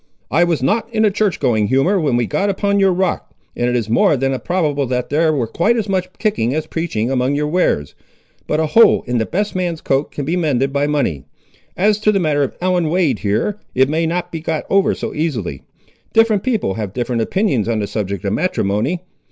I was not in a church going humour when we got upon your rock, and it is more than probable there was quite as much kicking as preaching among your wares; but a hole in the best man's coat can be mended by money. As to the matter of Ellen Wade, here, it may not be got over so easily. Different people have different opinions on the subject of matrimony.